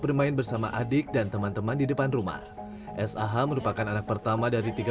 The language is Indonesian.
bermain bersama adik dan teman teman di depan rumah sah merupakan anak pertama dari tiga